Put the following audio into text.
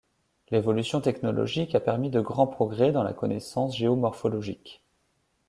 L’évolution technologique a permis de grands progrès dans la connaissance géomorphologique.